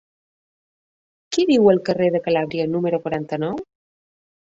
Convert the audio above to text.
Qui viu al carrer de Calàbria número quaranta-nou?